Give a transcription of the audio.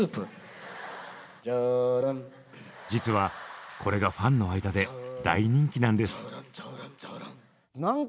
実はこれがファンの間で大人気なんです。